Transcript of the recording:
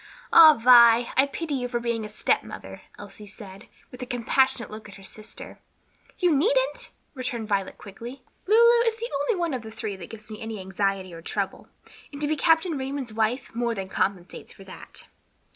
"Ah, Vi, I pity you for being a stepmother," Elsie said, with a compassionate look at her sister. "You needn't," returned Violet quickly. "Lulu is the only one of the three that gives me any anxiety or trouble, and to be Captain Raymond's wife more than compensates for that."